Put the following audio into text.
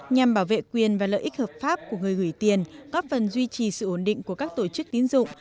nhằm bảo vệ quyền và lợi ích hợp pháp của người gửi tiền góp phần duy trì sự ổn định của các tổ chức tín dụng